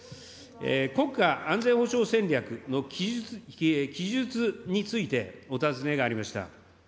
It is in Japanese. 国家安全保障戦略の記述についてお尋ねがありました。